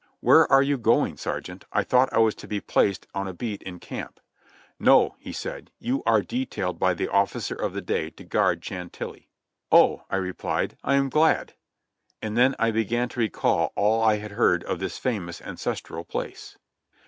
"Where are you going. Sergeant? I thought I was to be placed on a beat in camp !" "No," he said, "you are detailed by the officer of the day to guard Chantilly." "Oh !" I repHed, "I am glad." And then I began to recall all I had heard of this famous ancestral place.